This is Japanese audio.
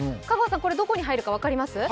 香川さん、これ、どこに入るか分かります？